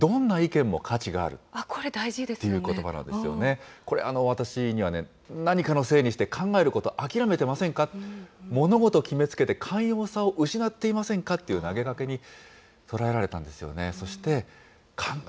これ、大事ですよね。ということばなんですね、私、これね、何かのせいにして考えること諦めてませんか、物事を決めつけて寛容さを失っていませんかという投げかけに聞こえたんですよね。